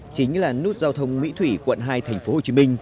chính là nút giao thông mỹ thủy quận hai tp hcm